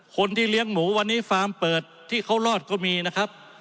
คนที่เลี้ยงหมูวันนี้ฟาร์มเปิดที่เขารอดก็มีนะครับ